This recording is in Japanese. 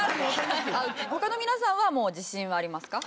他の皆さんはもう自信はありますか？